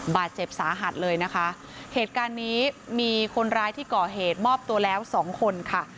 บาดเจ็บสาหัสเลยนะคะเหตุการณ์นี้มีคนร้ายที่ก่อเหตุมอบตัวแล้วสองคนค่ะ